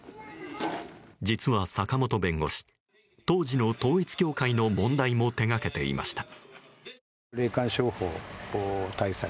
実は坂本弁護士当時の統一教会の問題も手掛けていました。